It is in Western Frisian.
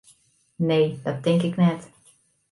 Nee, dat tink ik net.